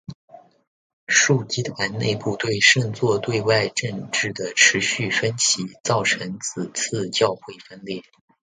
枢机团内部对圣座对外政策的持续分歧造成这次教会分裂。